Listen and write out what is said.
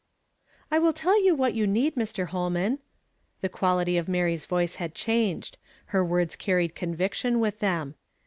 " I will tell you what you need, ]\Ir. Holman." The quality of ^hiry's voice had changed ; her words carried conviction with them.